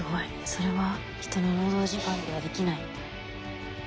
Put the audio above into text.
それは人の労働時間ではできない。